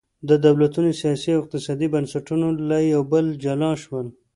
د دولتونو سیاسي او اقتصادي بنسټونه له یو بل جلا شول.